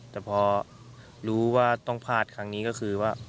แต่พอรู้ว่าต้องพลาดครั้งนี้ก็คือว่า